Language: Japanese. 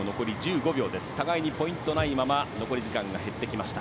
互いにポイントないまま残り時間が減ってきました。